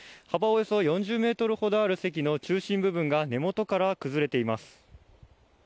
およそ４０ｍほどある堰の中心部分が根元から崩れています。